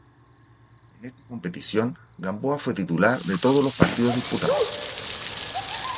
En esta competición, Gamboa fue titular en todos los partidos disputados.